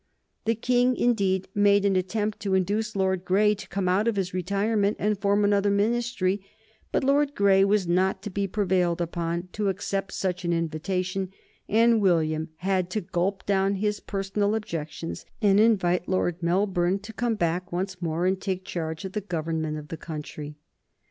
The King, indeed, made an attempt to induce Lord Grey to come out of his retirement and form another Ministry; but Lord Grey was not to be prevailed upon to accept such an invitation, and William had to gulp down his personal objections and invite Lord Melbourne to come back once more and take charge of the Government of the country.